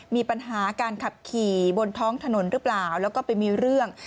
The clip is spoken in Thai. มีปัญหาการขับขี่บนท้องถนนหรือเปล่าแล้วก็ไปมีเรื่อง